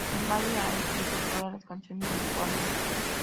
Kimball ha escrito todas las canciones de su álbum.